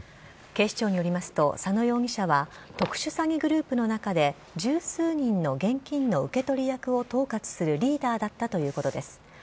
警視庁によりますと佐野容疑者は特殊詐欺グループの中で十数人の現金の受け取り役を統括するリーダーだったということです。